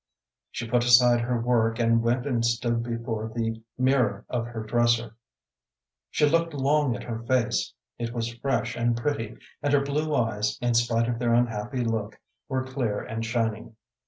She put aside her work and went and stood before the mirror of her dresser. She looked long at her face. It was fresh and pretty, and her blue eyes, in spite of their unhappy look, were clear and shining.